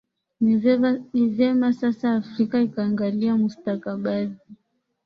ni vyema sasa afrika ikangalia mustakabali